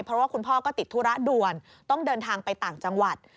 เพราะว่าคุณพ่อก็ติดธุระด่วนต้องเดินทางไปต่างจังหวัด